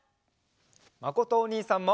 まことおにいさんも！